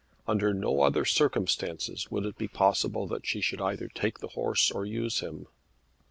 Under no other circumstances would it be possible that she should either take the horse or use him.